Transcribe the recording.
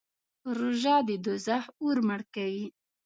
روژه د دوزخ اور مړ کوي.